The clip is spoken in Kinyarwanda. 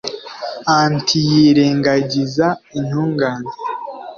antiyirengagiza intungane